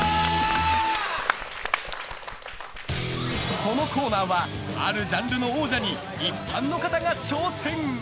このコーナーはあるジャンルの王者に一般の方が挑戦。